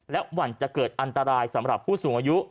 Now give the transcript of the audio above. หวั่นจะเกิดอันตรายสำหรับผู้สูงอายุ